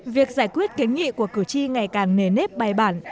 việc giải quyết kiến nghị của cử tri ngày càng nề nếp bài bản